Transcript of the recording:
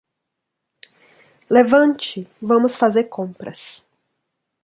Levante?, vamos fazer compras.